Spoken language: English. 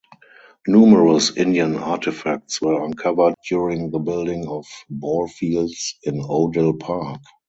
Numerous Indian artifacts were uncovered during the building of ballfields in Odell Park.